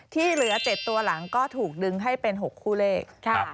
ที่เหลือ๗ตัวหลังก็ถูกดึงให้เป็น๖คู่เลข